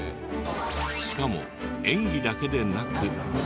しかも演技だけでなく。